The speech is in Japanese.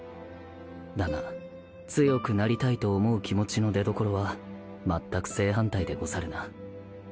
だが強くなりたいと思う気持ちの出どころはまったく正反対でござるな